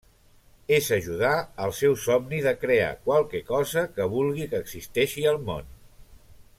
És ajudar al seu somni de crear qualque cosa que vulgui que existeixi al món.